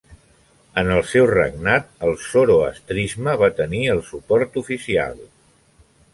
En el seu regnat el zoroastrisme va tenir el suport oficial.